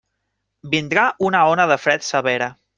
Vindrà una ona de fred severa.